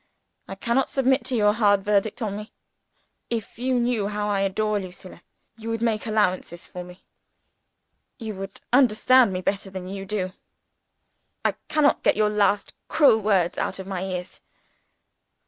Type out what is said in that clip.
I cannot submit to your hard verdict on me. If you knew how I adore Lucilla, you would make allowances for me you would understand me better than you do. I cannot get your last cruel words out of my ears.